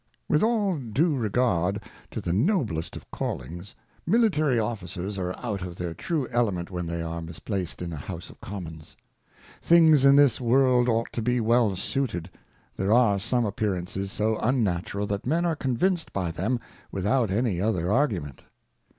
With all due regard to the noblest of Callmgs, M Military HALIFAX 1 62 Cautions for Choice of Military Officers are out of their true Element when they are misplaced in a House of Commons. Things in this World ought to be well suited. There are some Appearances so unnatural, that men are convinc'd by them without any other Argument.